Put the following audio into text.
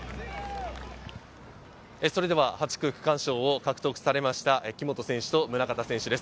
８区区間賞を獲得されました木本選手と宗像選手です。